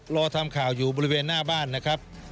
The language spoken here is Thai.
รอทำข่าวอยู่บริเวณหน้าบ้านนะครับ